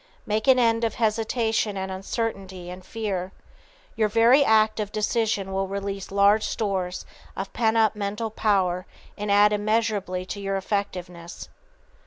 Make an end of hesitation and uncertainty and fear. Your very act of decision will release large stores of pent up mental power and add immeasurably to your effectiveness.